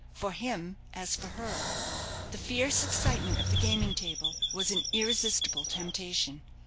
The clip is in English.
For him, as for her, the fierce excitement of the gaming table was an irresistible temptation.